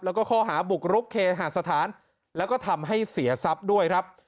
แล้วก็ข้อหาบุกรุกเคหาสถานแล้วก็ทำให้เสียทรัพย์ด้วยครับ